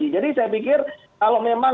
yang diduga melakukan tindakan yang lainnya ya kan